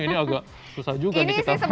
ini agak susah juga nih kita